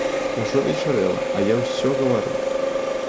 Ужо вечарэла, а я ўсё гавару!